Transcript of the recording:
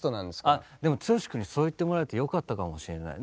あっでも剛くんにそう言ってもらえてよかったかもしれない。